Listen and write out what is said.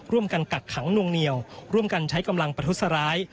กักขังนวงเหนียวร่วมกันใช้กำลังประทุษร้าย